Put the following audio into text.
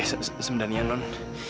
oke sebenarnya non